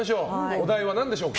お題は何でしょうか。